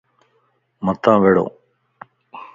متان وڙو